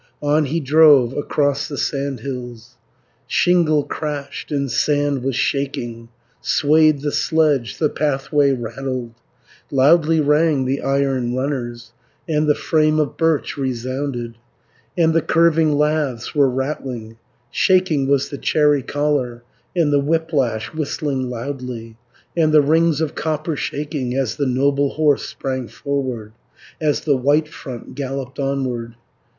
On he drove across the sandhills, Shingle crashed, and sand was shaking, Swayed the sledge, the pathway rattled, Loudly rang the iron runners, And the frame of birch resounded, And the curving laths were rattling, Shaking was the cherry collar, And the whiplash whistling loudly, And the rings of copper shaking, 510 As the noble horse sprang forward, As the White front galloped onward.